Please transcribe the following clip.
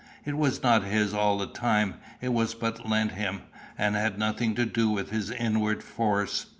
It was not his all the time; it was but lent him, and had nothing to do with his inward force.